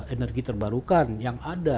energi terbarukan yang ada